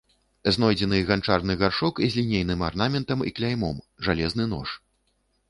Знойдзены ганчарны гаршчок з лінейным арнаментам і кляймом, жалезны нож.